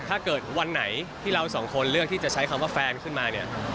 ถ้าเกิดวันไหนที่เราสองคนเลือกที่จะใช้คำว่าแฟนขึ้นมาเนี่ย